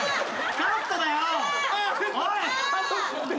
カットだよ。